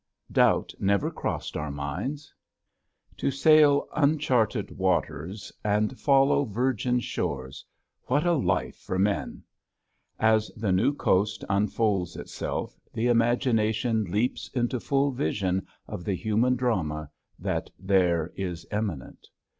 Doubt never crossed our minds. To sail uncharted waters and follow virgin shores what a life for men! As the new coast unfolds itself the imagination leaps into full vision of the human drama that there is immanent.